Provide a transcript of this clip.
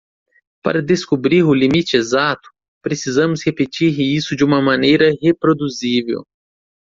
Para descobrir o limite exato?, precisamos repetir isso de uma maneira reproduzível.